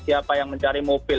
siapa yang mencari mobil